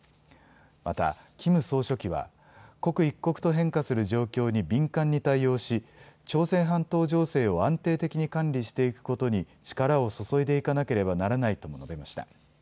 またキム総書記は、刻一刻と変化する状況に敏感に対応し、朝鮮半島情勢を安定的に管理していくことに力を注いでいかなければならないとも述べました。